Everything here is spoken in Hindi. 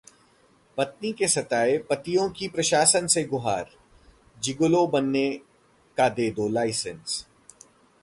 पत्नी के सताए पतियों की प्रशासन से गुहार, जिगोलो बनने का दे दो लाइसेंस